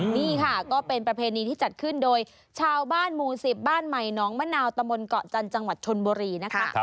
นี่ค่ะก็เป็นประเพณีที่จัดขึ้นโดยชาวบ้านหมู่๑๐บ้านใหม่น้องมะนาวตะมนต์เกาะจันทร์จังหวัดชนบุรีนะคะ